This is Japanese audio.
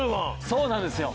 そうなんですよ。